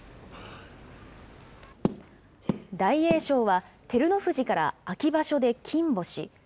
大栄翔は照ノ富士から秋場所で金星。